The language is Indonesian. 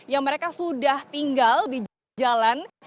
yang mereka sudah tinggal di jalan